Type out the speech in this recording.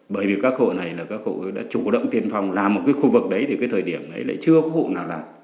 bởi vì các hộ này là các hộ đã chủ động tiên phong làm một cái khu vực đấy thì cái thời điểm này lại chưa có hộ nào làm